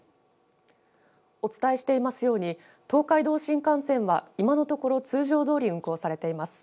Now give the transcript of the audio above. お伝えしていますように東海道新幹線は今のところ通常どおり運行されています。